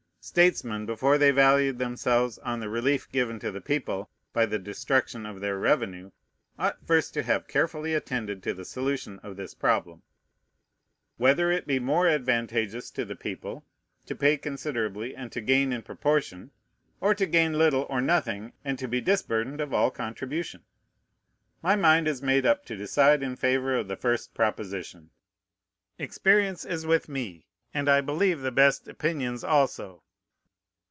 Statesmen, before they valued themselves on the relief given to the people by the destruction of their revenue, ought first to have carefully attended to the solution of this problem: Whether it be more advantageous to the people to pay considerably and to gain in proportion, or to gain little or nothing and to be disburdened of all contribution? My mind is made up to decide in favor of the first proposition. Experience is with me, and, I believe, the best opinions also.